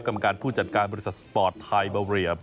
กรรมการผู้จัดการบริษัทสปอร์ตไทยบาเรีย